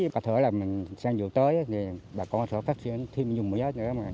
bà thử xem vụ tới bà con sẽ phát triển thêm vùng mía